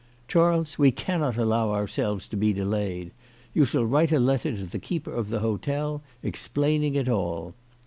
" Charles, we cannot allow ourselves to be delayed. You shall write a letter to the keeper of the hotel, explaining it all."